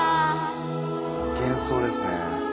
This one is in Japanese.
幻想ですね。